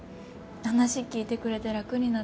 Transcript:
話聞いてくれて楽になった。